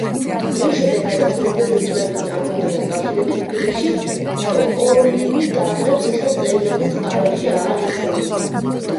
რის შემდეგაც, მომდევნო წლების ამბებთან დაკავშირებით, თბილისში ტოპონიმი დაბლა ციხე წერილობით წყაროებში აღარ იხსენიება.